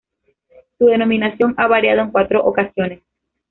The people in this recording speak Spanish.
Su denominación ha variado en cuatro ocasiones.